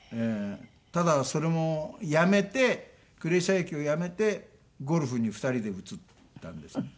ただそれもやめてクレー射撃をやめてゴルフに２人で移ったんですね。